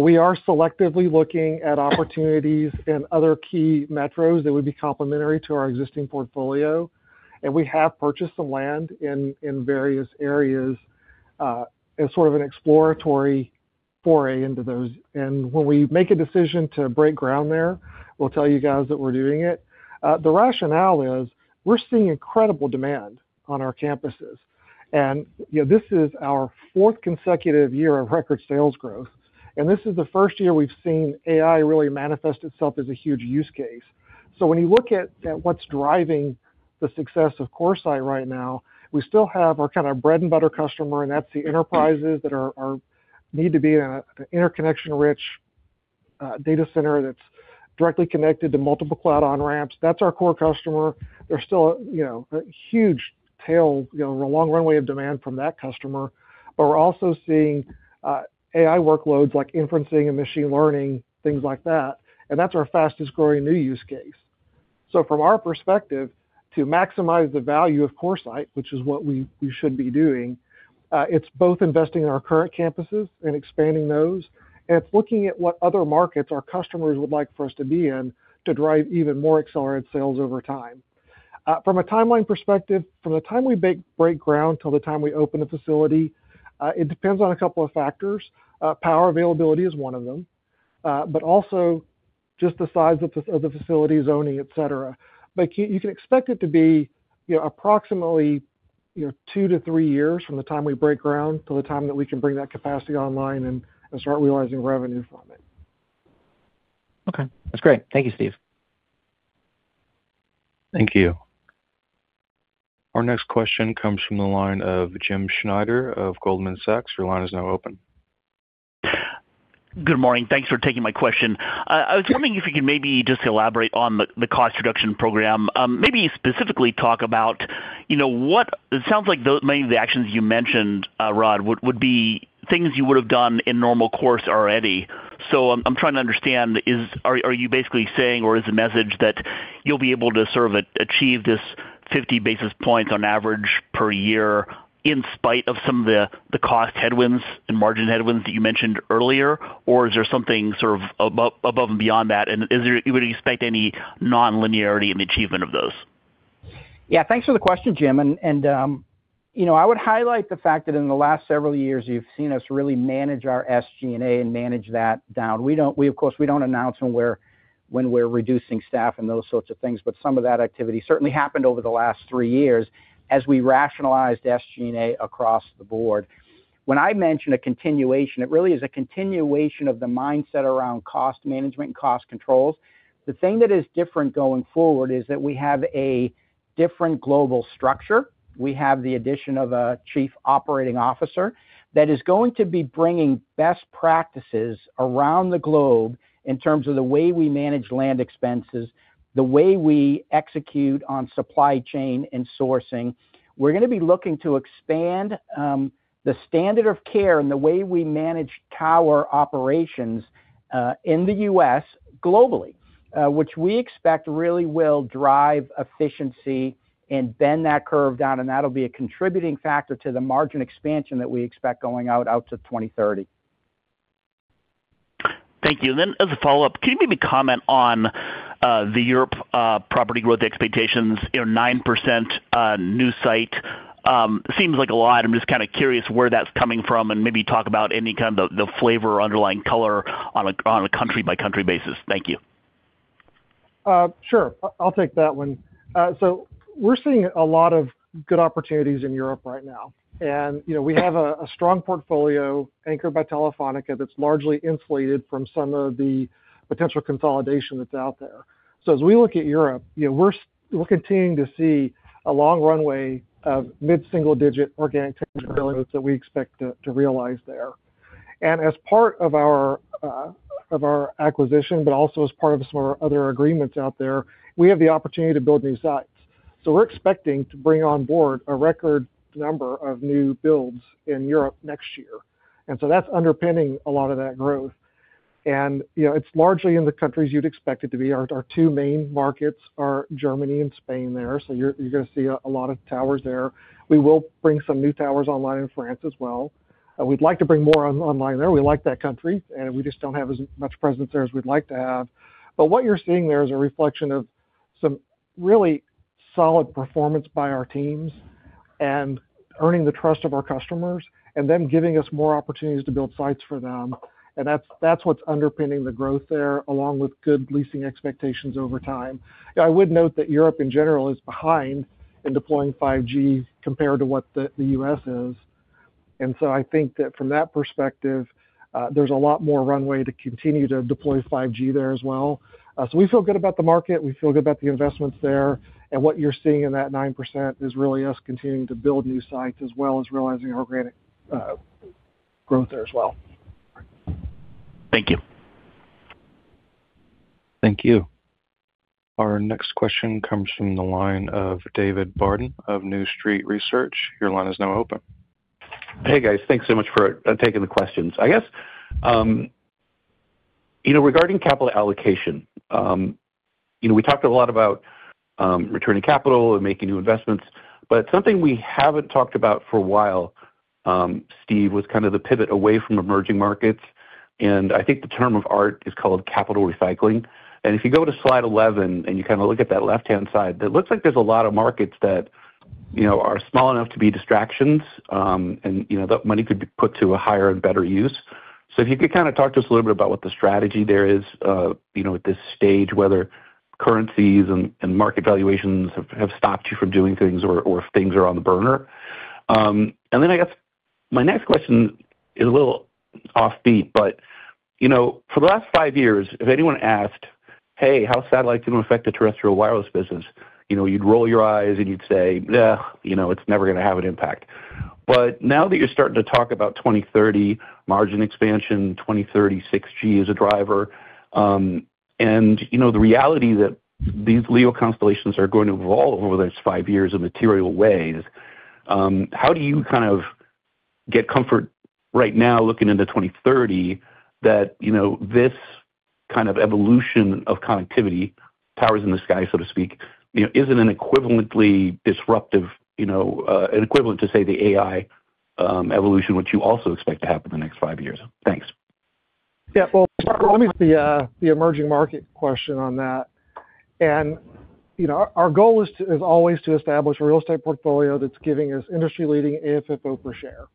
We are selectively looking at opportunities in other key metros that would be complementary to our existing portfolio, and we have purchased some land in various areas, as sort of an exploratory foray into those. When we make a decision to break ground there, we'll tell you guys that we're doing it. The rationale is, we're seeing incredible demand on our campuses, and, you know, this is our fourth consecutive year of record sales growth, and this is the first year we've seen AI really manifest itself as a huge use case. When you look at what's driving the success of CoreSite right now, we still have our kind of bread and butter customer, and that's the enterprises that are need to be in a an interconnection-rich data center that's directly connected to multiple cloud on-ramps. That's our core customer. There's still, you know, a huge tail, you know, a long runway of demand from that customer. We're also seeing AI workloads like inferencing and machine learning, things like that, and that's our fastest growing new use case. From our perspective, to maximize the value of CoreSite, which is what we should be doing, it's both investing in our current campuses and expanding those, and it's looking at what other markets our customers would like for us to be in to drive even more accelerated sales over time. From a timeline perspective, from the time we break ground till the time we open a facility, it depends on a couple of factors. Power availability is one of them, but also just the size of the facility, zoning, et cetera. You can expect it to be, you know, approximately, you know, two-three years from the time we break ground to the time that we can bring that capacity online and start realizing revenue from it. Okay, that's great. Thank you, Steve. Thank you. Our next question comes from the line of James Schneider of Goldman Sachs. Your line is now open. Good morning. Thanks for taking my question. I was wondering if you could maybe just elaborate on the cost reduction program. Maybe specifically talk about, you know, It sounds like many of the actions you mentioned, Rod, would be things you would have done in normal course already. I'm trying to understand, Are you basically saying, or is the message that you'll be able to sort of achieve this 50 basis points on average per year, in spite of some of the cost headwinds and margin headwinds that you mentioned earlier? Or is there something sort of above and beyond that, and would you expect any nonlinearity in the achievement of those? Yeah, thanks for the question, Jim. You know, I would highlight the fact that in the last several years, you've seen us really manage our SG&A and manage that down. We, of course, we don't announce when we're reducing staff and those sorts of things, but some of that activity certainly happened over the last three years as we rationalized SG&A across the board. When I mention a continuation, it really is a continuation of the mindset around cost management and cost controls. The thing that is different going forward is that we have a different global structure. We have the addition of a Chief Operating Officer that is going to be bringing best practices around the globe in terms of the way we manage land expenses, the way we execute on supply chain and sourcing. We're gonna be looking to expand the standard of care and the way we manage tower operations in the U.S. globally, which we expect really will drive efficiency and bend that curve down, and that'll be a contributing factor to the margin expansion that we expect going out to 2030. Thank you. As a follow-up, can you maybe comment on the Europe property growth expectations, you know, 9% new site? Seems like a lot. I'm just kind of curious where that's coming from, and maybe talk about any kind of the flavor or underlying color on a, on a country-by-country basis. Thank you. Sure. I'll take that one. We're seeing a lot of good opportunities in Europe right now, you know, we have a strong portfolio anchored by Telefónica, that's largely insulated from some of the potential consolidation that's out there. As we look at Europe, you know, we're continuing to see a long runway of mid-single digit organic technology that we expect to realize there. As part of our acquisition, but also as part of some of our other agreements out there, we have the opportunity to build new sites. We're expecting to bring on board a record number of new builds in Europe next year, that's underpinning a lot of that growth. You know, it's largely in the countries you'd expect it to be. Our two main markets are Germany and Spain there, so you're gonna see a lot of towers there. We will bring some new towers online in France as well. We'd like to bring more online there. We like that country. We just don't have as much presence there as we'd like to have. What you're seeing there is a reflection of some really solid performance by our teams and earning the trust of our customers, and them giving us more opportunities to build sites for them. That's what's underpinning the growth there, along with good leasing expectations over time. I would note that Europe in general is behind in deploying 5G compared to what the U.S. is. I think that from that perspective, there's a lot more runway to continue to deploy 5G there as well. We feel good about the market. We feel good about the investments there. What you're seeing in that 9% is really us continuing to build new sites, as well as realizing organic growth there as well. Thank you. Thank you. Our next question comes from the line of David Barden of New Street Research. Your line is now open. Hey, guys, thanks so much for taking the questions. I guess, you know, regarding capital allocation, you know, we talked a lot about returning capital and making new investments, but something we haven't talked about for a while, Steve, was kind of the pivot away from emerging markets, and I think the term of art is called capital recycling. If you go to slide 11 and you kind of look at that left-hand side, it looks like there's a lot of markets that, you know, are small enough to be distractions, and, you know, that money could be put to a higher and better use. If you could kind of talk to us a little bit about what the strategy there is, you know, at this stage, whether currencies and market valuations have stopped you from doing things or if things are on the burner? I guess my next question is a little offbeat, but, you know, for the last five years, if anyone asked, "Hey, how's satellite going to affect the terrestrial wireless business?" You know, you'd roll your eyes and you'd say, "You know, it's never gonna have an impact." Now that you're starting to talk about 2030 margin expansion, 2030, 6G as a driver, and, you know, the reality that these legal constellations are going to evolve over those five years in material ways, how do you kind of get comfort right now, looking into 2030, that, you know, this kind of evolution of connectivity, powers in the sky, so to speak, you know, isn't an equivalently disruptive, you know, an equivalent to, say, the AI evolution, which you also expect to happen in the next five years? Thanks. Yeah, well, let me see the emerging market question on that. You know, our goal is always to establish a real estate portfolio that's giving us industry-leading AFFO per share.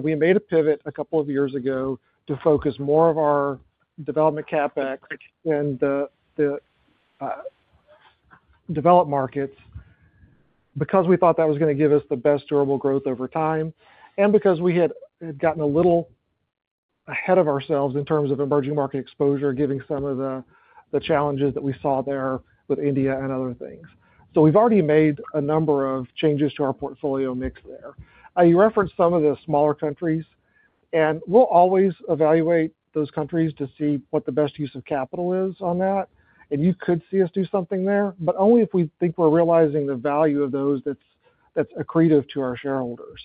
We made a pivot a couple of years ago to focus more of our development CapEx in the developed markets because we thought that was gonna give us the best durable growth over time, and because we had gotten a little ahead of ourselves in terms of emerging market exposure, giving some of the challenges that we saw there with India and other things. We've already made a number of changes to our portfolio mix there. I referenced some of the smaller countries, and we'll always evaluate those countries to see what the best use of capital is on that. You could see us do something there, but only if we think we're realizing the value of those that's accretive to our shareholders.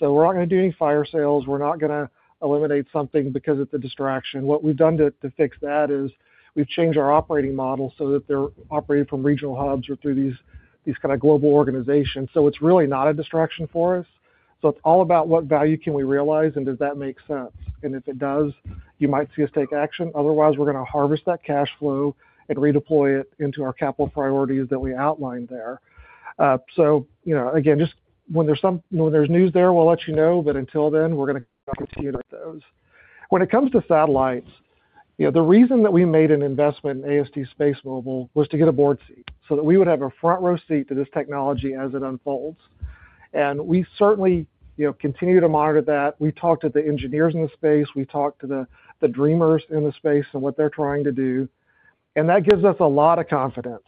We're not gonna do any fire sales. We're not gonna eliminate something because it's a distraction. What we've done to fix that is we've changed our operating model so that they're operating from regional hubs or through these kind of global organizations. It's really not a distraction for us. It's all about what value can we realize and does that make sense? If it does, you might see us take action. Otherwise, we're gonna harvest that cash flow and redeploy it into our capital priorities that we outlined there. You know, again, just when there's news there, we'll let you know, but until then, we're gonna continue with those. When it comes to satellites, you know, the reason that we made an investment in AST SpaceMobile was to get a board seat, so that we would have a front-row seat to this technology as it unfolds. We certainly, you know, continue to monitor that. We talk to the engineers in the space, we talk to the dreamers in the space and what they're trying to do, and that gives us a lot of confidence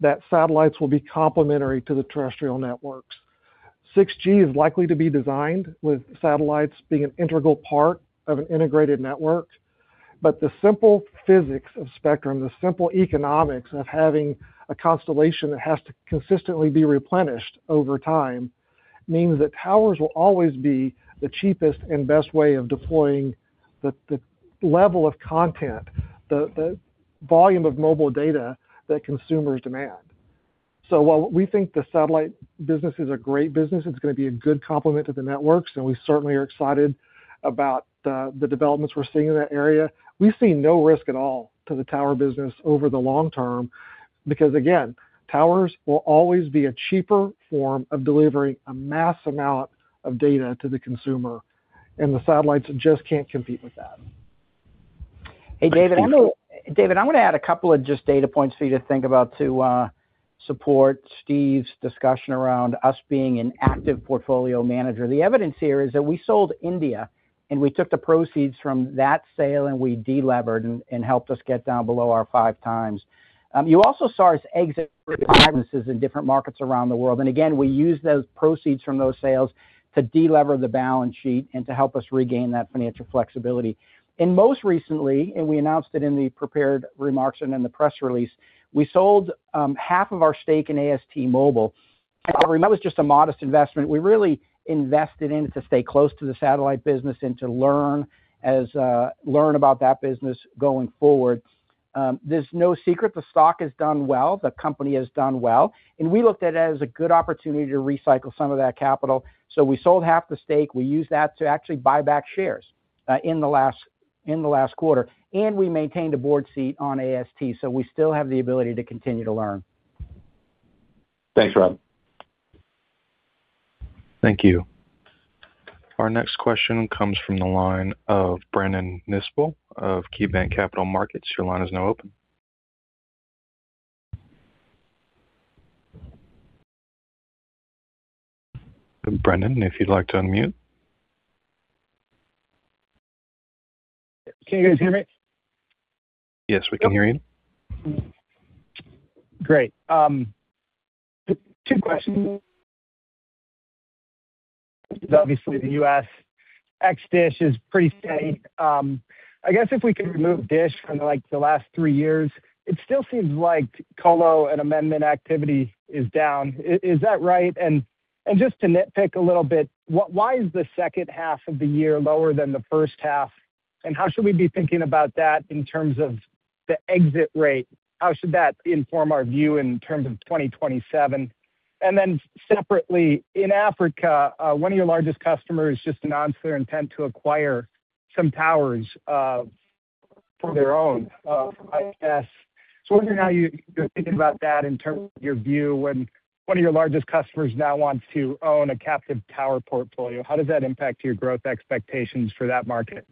that satellites will be complementary to the terrestrial networks. 6G is likely to be designed with satellites being an integral part of an integrated network. The simple physics of spectrum, the simple economics of having a constellation that has to consistently be replenished over time, means that towers will always be the cheapest and best way of deploying the level of content, the volume of mobile data that consumers demand. While we think the satellite business is a great business, it's gonna be a good complement to the networks, and we certainly are excited about the developments we're seeing in that area. We see no risk at all to the tower business over the long term, because, again, towers will always be a cheaper form of delivering a mass amount of data to the consumer, and the satellites just can't compete with that. Hey, David, I'm gonna add a couple of just data points for you to think about to support Steve's discussion around us being an active portfolio manager. The evidence here is that we sold India. We took the proceeds from that sale and we delevered and helped us get down below our 5x. You also saw us exit businesses in different markets around the world. Again, we used those proceeds from those sales to delever the balance sheet and to help us regain that financial flexibility. Most recently, and we announced it in the prepared remarks and in the press release, we sold half of our stake in AST SpaceMobile. That was just a modest investment. We really invested in to stay close to the satellite business and to learn about that business going forward. There's no secret the stock has done well, the company has done well, and we looked at it as a good opportunity to recycle some of that capital. We sold half the stake. We used that to actually buy back shares, in the last quarter, and we maintained a board seat on AST, so we still have the ability to continue to learn. Thanks, Rod. Thank you. Our next question comes from the line of Brandon Nispel of KeyBanc Capital Markets. Your line is now open. Brandon, if you'd like to unmute. Can you guys hear me? Yes, we can hear you. Great. Two questions. Obviously, the U.S. x Dish is pretty steady. I guess if we could remove Dish from, like, the last three years, it still seems like colo and amendment activity is down. Is that right? Just to nitpick a little bit, why is the second half of the year lower than the first half, and how should we be thinking about that in terms of the exit rate? How should that inform our view in terms of 2027? Separately, in Africa, one of your largest customers just announced their intent to acquire some towers for their own, I guess. I was wondering how you're thinking about that in terms of your view, when one of your largest customers now wants to own a captive tower portfolio, how does that impact your growth expectations for that market?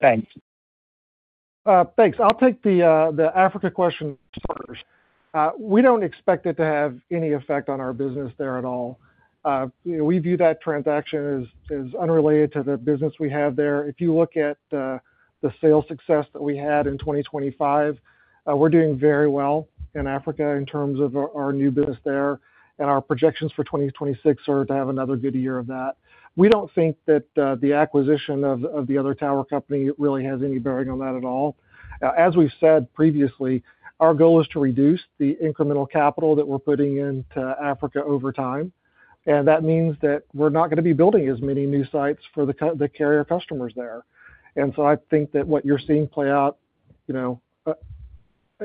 Thanks. Thanks. I'll take the Africa question first. We don't expect it to have any effect on our business there at all. We view that transaction as unrelated to the business we have there. If you look at the sales success that we had in 2025, we're doing very well in Africa in terms of our new business there. Our projections for 2026 are to have another good year of that. We don't think that the acquisition of the other tower company really has any bearing on that at all. As we've said previously, our goal is to reduce the incremental capital that we're putting into Africa over time, and that means that we're not gonna be building as many new sites for the carrier customers there. I think that what you're seeing play out, you know,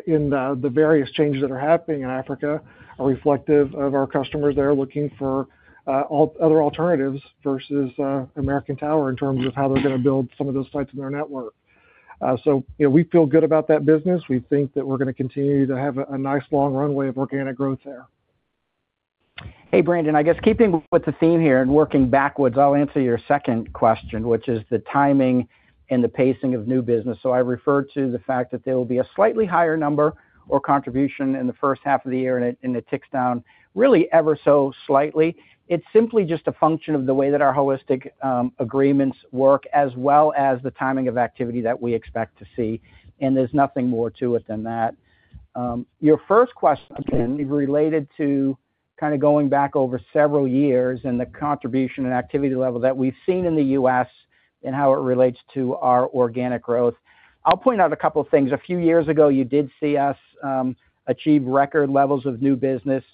in the various changes that are happening in Africa, are reflective of our customers there, looking for other alternatives versus American Tower, in terms of how they're gonna build some of those sites in their network. You know, we feel good about that business. We think that we're gonna continue to have a nice, long runway of organic growth there. Hey, Brandon Nispel, I guess keeping with the theme here and working backwards, I'll answer your 2nd question, which is the timing and the pacing of new business. I referred to the fact that there will be a slightly higher number or contribution in the first half of the year, and it ticks down really ever so slightly. It's simply just a function of the way that our holistic agreements work, as well as the timing of activity that we expect to see, and there's nothing more to it than that. Your 1st question, related to kind of going back over several years and the contribution and activity level that we've seen in the U.S. and how it relates to our organic growth. I'll point out a couple of things. A few years ago, you did see us achieve record levels of new business.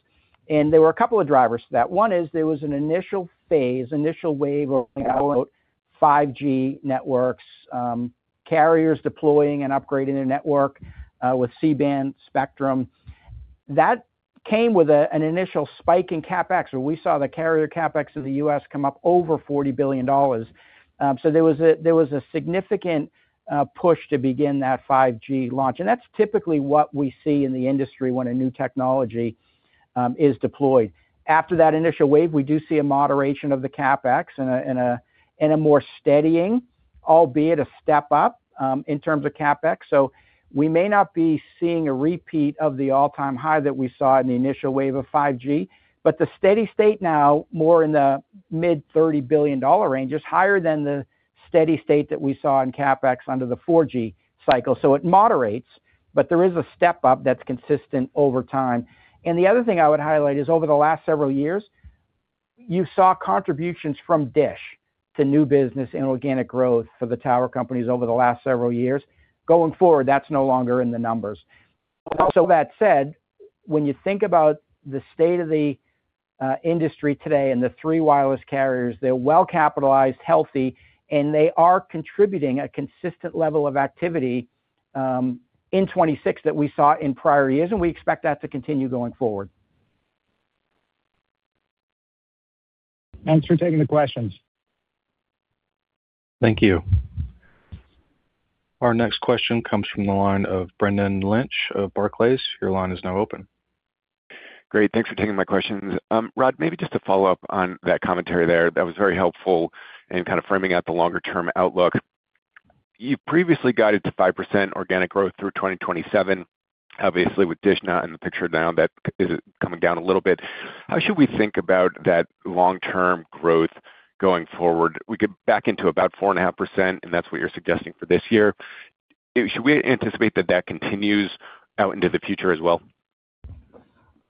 There were a couple of drivers to that. One is there was an initial phase, initial wave, of 5G networks, carriers deploying and upgrading their network with C-band spectrum. That came with an initial spike in CapEx, where we saw the carrier CapEx of the U.S. come up over $40 billion. There was a significant push to begin that 5G launch, and that's typically what we see in the industry when a new technology is deployed. After that initial wave, we do see a moderation of the CapEx and a more steadying, albeit a step up, in terms of CapEx. We may not be seeing a repeat of the all-time high that we saw in the initial wave of 5G, but the steady state now, more in the mid-$30 billion range, is higher than the steady state that we saw in CapEx under the 4G cycle. It moderates, but there is a step up that's consistent over time. The other thing I would highlight is over the last several years, you saw contributions from Dish to new business and organic growth for the tower companies over the last several years. Going forward, that's no longer in the numbers. With that said, when you think about the state of the industry today and the three wireless carriers, they're well capitalized, healthy, and they are contributing a consistent level of activity in 26 that we saw in prior years, and we expect that to continue going forward. Thanks for taking the questions. Thank you. Our next question comes from the line of Brendan Lynch of Barclays. Your line is now open. Great, thanks for taking my questions. Rod, maybe just to follow up on that commentary there, that was very helpful in kind of framing out the longer-term outlook. You previously guided to 5% organic growth through 2027. Obviously, with Dish now in the picture, now that is coming down a little bit. How should we think about that long-term growth going forward? We get back into about 4.5%, and that's what you're suggesting for this year. Should we anticipate that that continues out into the future as well?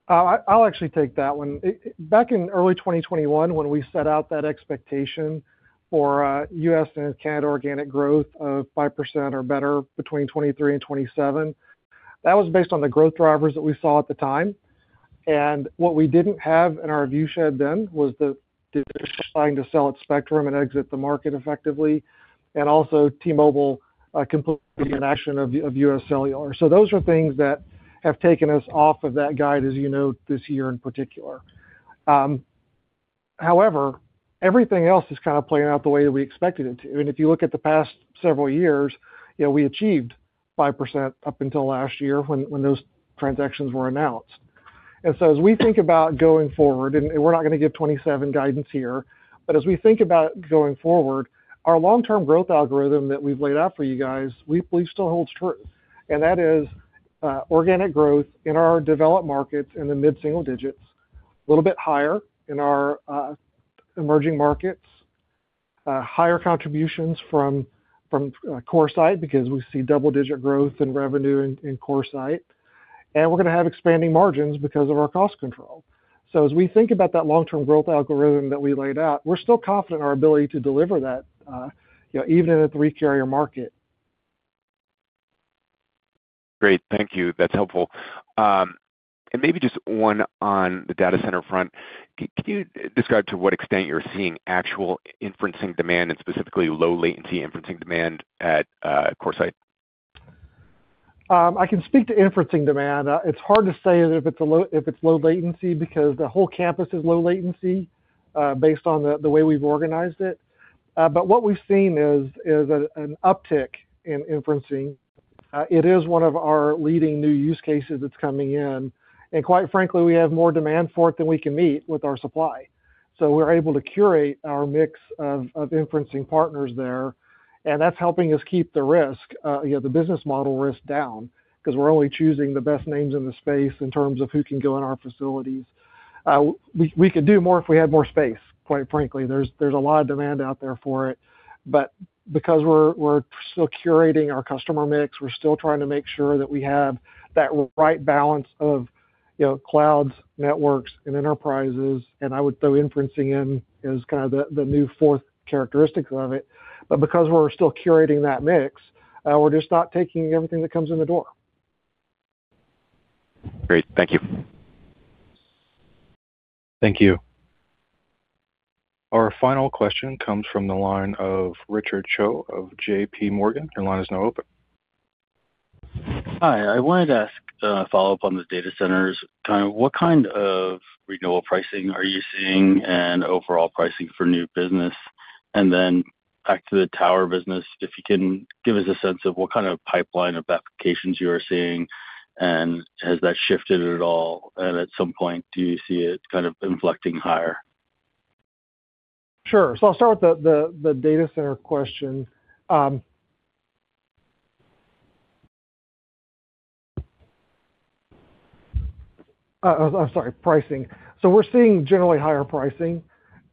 I'll actually take that one. Back in early 2021, when we set out that expectation for U.S. and Canada organic growth of 5% or better between 2023 and 2027. That was based on the growth drivers that we saw at the time. What we didn't have in our view shed then was the deciding to sell its spectrum and exit the market effectively, and also T-Mobile, completion of the action of UScellular. Those are things that have taken us off of that guide, as you know, this year in particular. However, everything else is kind of playing out the way we expected it to. If you look at the past several years, you know, we achieved 5% up until last year when those transactions were announced. As we think about going forward, and we're not gonna give 2027 guidance here, but as we think about going forward, our long-term growth algorithm that we've laid out for you guys, we believe still holds true. That is, organic growth in our developed markets in the mid-single digits, a little bit higher in our emerging markets, higher contributions from CoreSite because we see double-digit growth in revenue in CoreSite. We're gonna have expanding margins because of our cost control. As we think about that long-term growth algorithm that we laid out, we're still confident in our ability to deliver that, you know, even in a three-carrier market. Great. Thank you. That's helpful. Maybe just one on the data center front. Can you describe to what extent you're seeing actual inferencing demand and specifically low latency inferencing demand at CoreSite? I can speak to inferencing demand. It's hard to say if it's low latency, because the whole campus is low latency, based on the way we've organized it. What we've seen is an uptick in inferencing. It is one of our leading new use cases that's coming in, and quite frankly, we have more demand for it than we can meet with our supply. We're able to curate our mix of inferencing partners there, and that's helping us keep the risk, you know, the business model risk down, because we're only choosing the best names in the space in terms of who can go in our facilities. We could do more if we had more space, quite frankly. There's a lot of demand out there for it, but because we're still curating our customer mix, we're still trying to make sure that we have that right balance of, you know, clouds, networks, and enterprises, and I would throw inferencing in as kind of the new fourth characteristic of it. Because we're still curating that mix, we're just not taking everything that comes in the door. Great. Thank you. Thank you. Our final question comes from the line of Richard Choe of JPMorgan. Your line is now open. Hi, I wanted to ask a follow-up on the data centers. What kind of renewal pricing are you seeing and overall pricing for new business? Back to the tower business, if you can give us a sense of what kind of pipeline of applications you are seeing, and has that shifted at all, and at some point, do you see it kind of inflecting higher? Sure. I'll start with the data center question. I'm sorry, pricing. We're seeing generally higher pricing.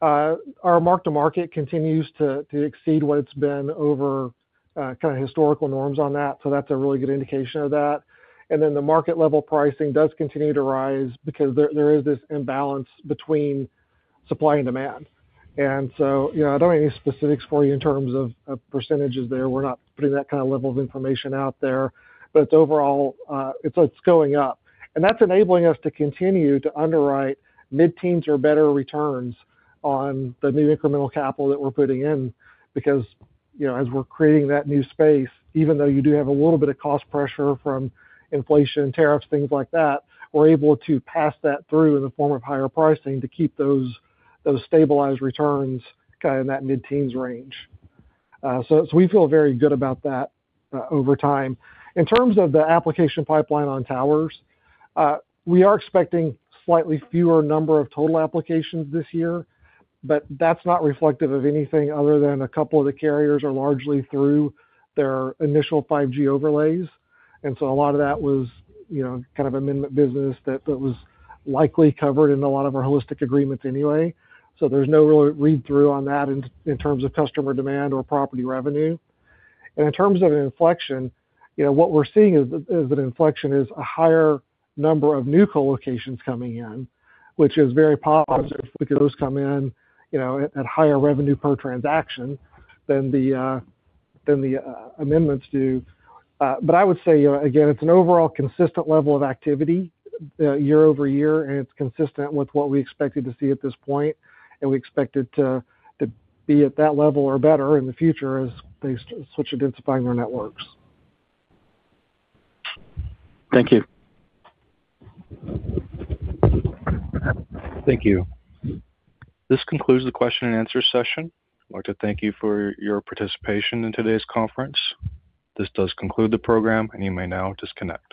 Our mark-to-market continues to exceed what it's been over kind of historical norms on that's a really good indication of that. The market level pricing does continue to rise because there is this imbalance between supply and demand. You know, I don't have any specifics for you in terms of percentages there. We're not putting that kind of level of information out there. Overall, it's going up. That's enabling us to continue to underwrite mid-teens or better returns on the new incremental capital that we're putting in. You know, as we're creating that new space, even though you do have a little bit of cost pressure from inflation, tariffs, things like that, we're able to pass that through in the form of higher pricing to keep those stabilized returns kind of in that mid-teens range. We feel very good about that over time. In terms of the application pipeline on towers, we are expecting slightly fewer number of total applications this year, but that's not reflective of anything other than a couple of the carriers are largely through their initial 5G overlays. A lot of that was, you know, kind of amendment business that was likely covered in a lot of our holistic agreements anyway. There's no really read-through on that in terms of customer demand or property revenue. In terms of an inflection, you know, what we're seeing is an inflection, is a higher number of new colocation coming in, which is very positive because those come in, you know, at higher revenue per transaction than the amendments do. I would say, you know, again, it's an overall consistent level of activity year-over-year, and it's consistent with what we expected to see at this point, and we expect it to be at that level or better in the future as they switch and densify their networks. Thank you. Thank you. This concludes the question and answer session. I'd like to thank you for your participation in today's conference. This does conclude the program, and you may now disconnect.